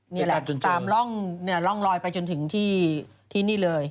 นี่แหละตามร่องลอยไปจนถึงที่นี่เลย